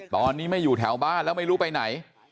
ตอนนี้ไม่อยู่แถวบ้านแล้วไม่รู้ไปไหน